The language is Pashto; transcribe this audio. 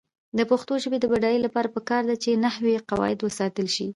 د پښتو ژبې د بډاینې لپاره پکار ده چې نحوي قواعد وساتل شي.